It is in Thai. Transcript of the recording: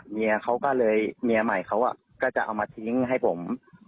เมียเขาก็เลยเมียใหม่เขาก็จะเอามาทิ้งให้ผม